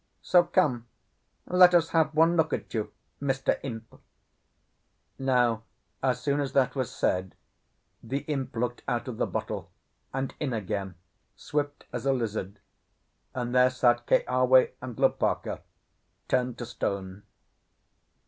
So come, let us have one look at you, Mr. Imp." Now as soon as that was said, the imp looked out of the bottle, and in again, swift as a lizard; and there sat Keawe and Lopaka turned to stone.